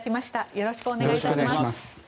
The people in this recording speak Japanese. よろしくお願いします。